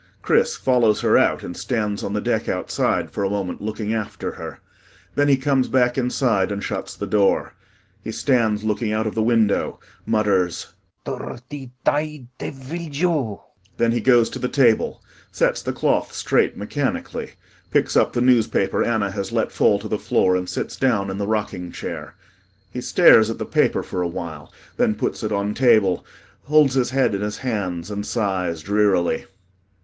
CHRIS follows her out and stands on the deck outside for a moment looking after her. Then he comes back inside and shuts the door. He stands looking out of the window mutters "Dirty die davil, you." Then he goes to the table, sets the cloth straight mechanically, picks up the newspaper ANNA has let fall to the floor and sits down in the rocking chair. He stares at the paper for a while, then puts it on table, holds his head in his hands and sighs drearily.